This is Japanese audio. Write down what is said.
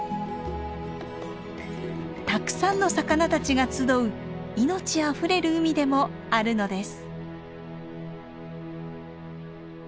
たくさんの魚たちが集う命あふれる海でもあるのです。